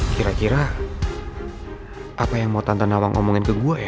kira kira apa yang mau tanton nawang omongin ke gue ya